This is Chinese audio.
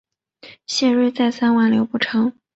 谢端再三挽留不成。